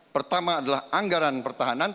pertama adalah anggaran pertahanan